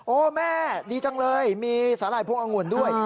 แม่ดีจังเลยมีสาหร่ายพวงองุ่นด้วย